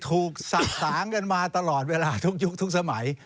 ถูกสะสางกันมาตลอดเวลาทุกยุคทุกสมัย